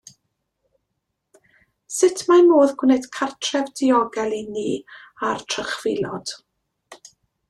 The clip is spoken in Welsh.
Sut mae modd gwneud cartref diogel i ni a'r trychfilod?